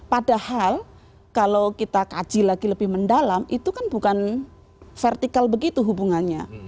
padahal kalau kita kaji lagi lebih mendalam itu kan bukan vertikal begitu hubungannya